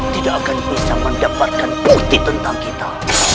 tidak akan bisa mendapatkan bukti tentang kita